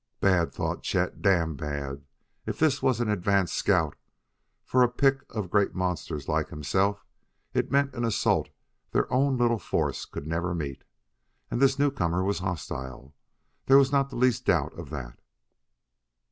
"Bad!" thought Chet. "Damn bad!" If this was an advance scout for a pick of great monsters like himself it meant an assault their own little force could never meet. And this newcomer was hostile. There was not the least doubt of that.